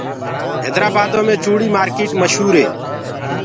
هيدرآ بآدو مي چوڙي مآرڪيٽ مشور هي۔